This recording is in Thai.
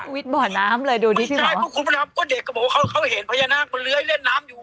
วิทย์บ่อน้ำเลยดูดิใช่เพราะคุณพระดำก็เด็กก็บอกว่าเขาเขาเห็นพญานาคมันเลื้อยเล่นน้ำอยู่